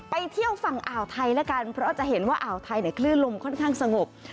ไปเที่ยวฝั่งอ่าวไทยแล้วกันเพราะจะเห็นว่าอ่าวไทยคลื่นลมค่อนข้างสงบ